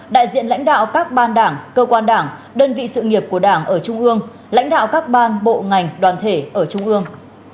đại diện lãnh đạo các ban đảng cơ quan đảng đơn vị sự nghiệp của đảng ở trung ương lãnh đạo các ban bộ ngành đoàn thể ở trung ương